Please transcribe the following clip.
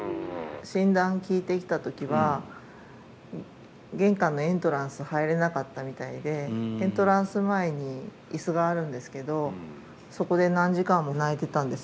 診断聞いてきた時は玄関のエントランス入れなかったみたいでエントランス前に椅子があるんですけどそこで何時間も泣いてたんですよね。